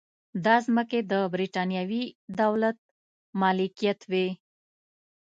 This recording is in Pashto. دا ځمکې د برېټانوي دولت ملکیت وې.